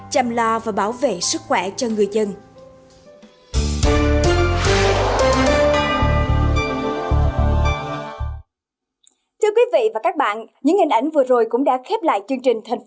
chăm lo và bảo vệ sức khỏe cho người dân